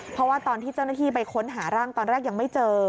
เพราะว่าตอนที่เจ้าหน้าที่ไปค้นหาร่างตอนแรกยังไม่เจอ